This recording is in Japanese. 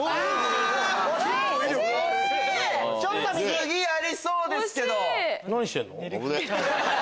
次ありそうですけど。